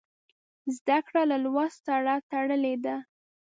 زده کړه له لوست سره تړلې ده.